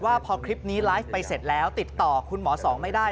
ว่าพอคลิปนี้ไลฟ์ไปเสร็จแล้วติดต่อคุณหมอสองไม่ได้